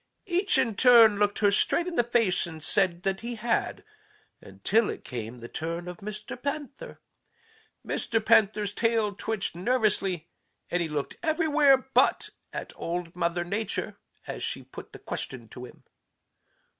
Each in turn looked her straight in the face and said that he had until it came the turn of Mr. Panther. Mr. Panther's tail twitched nervously, and he looked everywhere but at Old Mother Nature as she put the question to him.